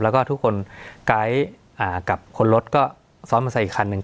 แล้วก็ทุกคนกายซ์กับคนรถก็ซ้อนมาสายอีกคันหนึ่ง